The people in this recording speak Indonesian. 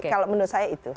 kalau menurut saya itu